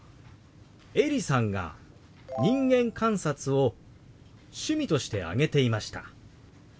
エリさんが「人間観察」を趣味として挙げていました。